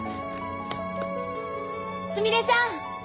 すみれさん！